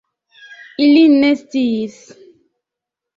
Ili ne sciis.